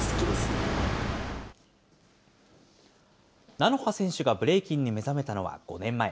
なのは選手がブレイキンに目覚めたのは５年前。